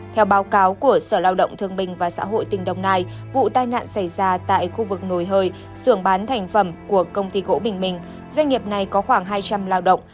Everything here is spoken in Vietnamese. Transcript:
theo báo cáo của sở lao động thương bình và xã hội tỉnh đồng nai vụ tai nạn xảy ra tại khu vực nồi sưởng bán thành phẩm của công ty gỗ bình minh doanh nghiệp này có khoảng hai trăm linh lao động